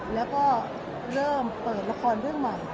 แล้วก็เริ่มเปิดละครเรื่องใหม่